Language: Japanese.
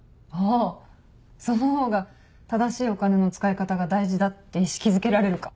あそのほうが正しいお金の使い方が大事だって意識づけられるか。